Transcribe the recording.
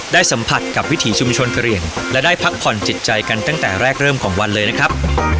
สัมผัสกับวิถีชุมชนกะเหลี่ยงและได้พักผ่อนจิตใจกันตั้งแต่แรกเริ่มของวันเลยนะครับ